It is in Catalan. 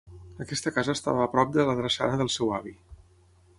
Aquesta casa estava a prop de la drassana del seu avi.